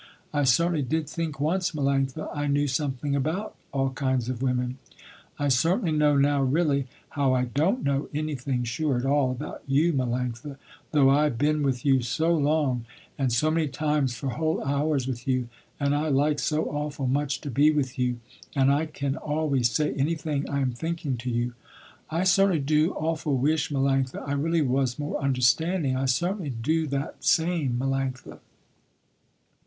I certainly did think once, Melanctha, I knew something about all kinds of women. I certainly know now really, how I don't know anything sure at all about you, Melanctha, though I been with you so long, and so many times for whole hours with you, and I like so awful much to be with you, and I can always say anything I am thinking to you. I certainly do awful wish, Melanctha, I really was more understanding. I certainly do that same, Melanctha."